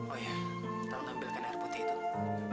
oh iya kamu ambilkan air putih itu